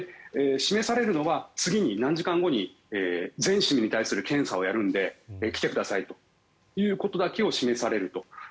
示されるのは次に何時間後に全市民に対する検査をやるので来てくださいということだけを示されると。